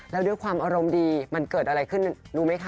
แล้วด้วยความอารมณ์ดีมันเกิดอะไรขึ้นรู้ไหมคะ